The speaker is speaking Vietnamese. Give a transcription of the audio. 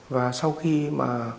và sau khi mà